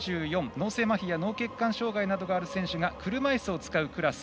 脳性まひ、脳血管障がいがある選手などが車いすを使うクラス。